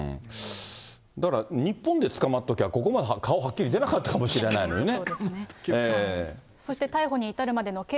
だから、日本で捕まるときは、顔はっきり出なかったかもしれないのにね。